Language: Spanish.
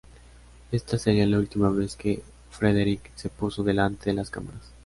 Esta sería la última vez que Frederick se puso delante de las cámaras.